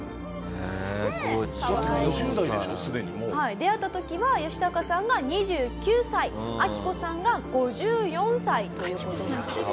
出会った時はヨシタカさんが２９歳アキコさんが５４歳という事なんですね。